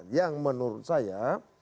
yang menurut saya